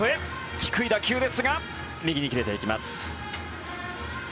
低い打球ですが右に切れていきます。